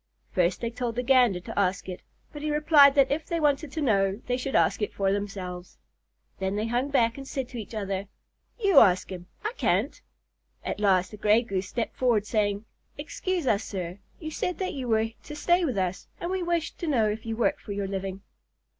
First they told the Gander to ask it, but he replied that if they wanted to know, they should ask it for themselves. Then they hung back and said to each other, "You ask him. I can't." At last the Gray Goose stepped forward, saying, "Excuse us, sir. You said that you were to stay with us, and we wish to know if you work for your living."